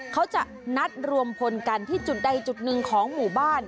เขาจะนัดรวมพลกันที่จุดใดจุดหนึ่งของหมู่บ้าน